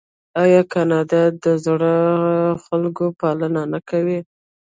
آیا کاناډا د زړو خلکو پالنه نه کوي؟